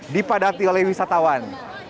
dipadati oleh wisatawan